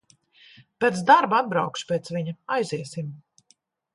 Pēc darba atbraukšu pēc viņa, aiziesim.